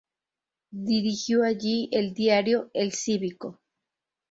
Dirigió allí el diario "El Cívico".